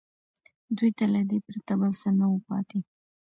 دوی ته له دې پرته بل څه نه وو پاتې